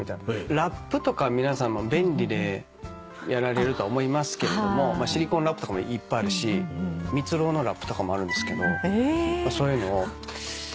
ラップとか皆さん便利でやられると思いますけれどもシリコンラップとかもいっぱいあるしみつろうのラップとかもあるんですけどそういうのを。